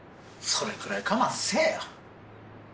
それくらい我慢せえよ。